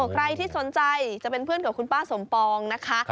ใครที่สนใจจะเป็นเพื่อนกับคุณป้าสมปองนะคะ